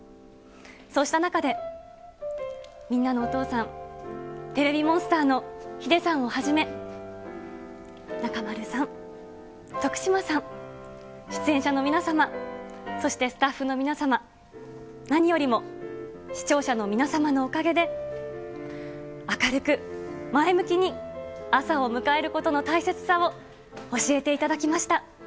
そうした中で、みんなのお父さん、テレビモンスターのヒデさんをはじめ、中丸さん、徳島さん、出演者の皆様、そしてスタッフの皆様、何よりも視聴者の皆様のおかげで、明るく前向きに朝を迎えることの大切さを教えていただきました。